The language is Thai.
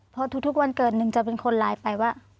เพราะทุกวันเกิดนึงจะเป็นคนลายไปว่า